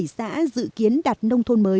bảy xã dự kiến đặt nông thôn mới